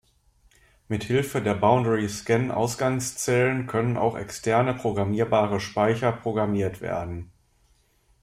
Mit Hilfe der Boundary-Scan-Ausgangszellen können auch externe programmierbare Speicher programmiert werden.